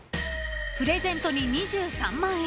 ［プレゼントに２３万円］